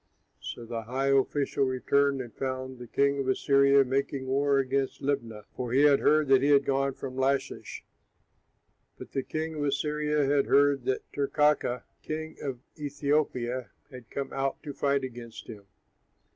'" So the high official returned and found the king of Assyria making war against Libnah, for he had heard that he had gone from Lachish. But the king of Assyria had heard that Tirkakah, king of Ethiopia, had come out to fight against him.